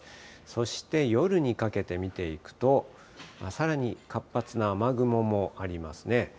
そして夜にかけて見ていくと、さらに活発な雨雲もありますね。